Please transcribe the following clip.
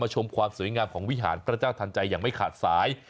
มาชมความสวยงามของวิหารกระจ้าทันใจไม่ขาดสาย